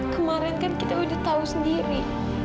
kemarin kan kita udah tahu sendiri